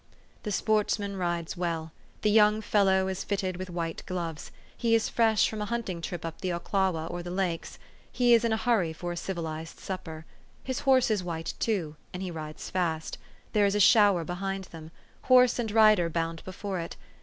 The sportsman rides well. The young fellow is fitted with white gloves. He is fresh from a hunt ing trip up the Oclawaha or the lakes. He is in a hurry for a civilized supper. His horse is white too, and he rides fast. There is a shower behind them. Horse and rider bound before it.